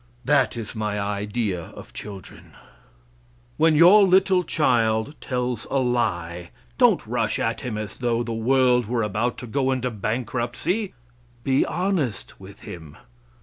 That is my idea of children. When your little child tells a lie, don't rush at him as though the world were about to go into bankruptcy. Be honest with him.